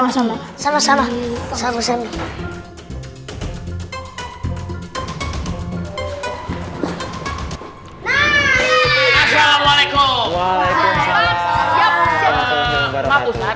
pastrik iti segera masuk ke dalam ruangan guru